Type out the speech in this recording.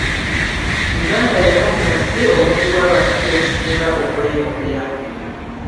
Uganda y'emu ku nsi obungi bw'abantu gye businga okweyongera.